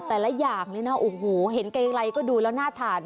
แต่ละอย่างเลยนะโอ้โหเห็นใกล้ก็ดูแล้วน่าทาน